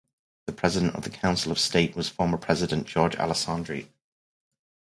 The President of the Council of State was former President Jorge Alessandri.